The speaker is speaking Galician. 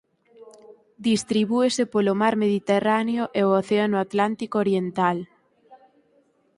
Distribúese polo mar Mediterráneo e o océano Atlántico oriental.